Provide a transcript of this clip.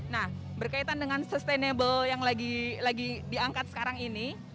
nah berkaitan dengan sustainable yang lagi diangkat sekarang ini